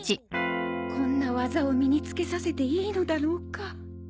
こんな技を身につけさせていいのだろうか。